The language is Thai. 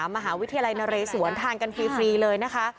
โรงพยาบาลสนามมหาวิทยาลัยนะเรสวนทานกันฟรีเลยนะคะ